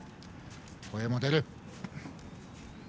声も出る。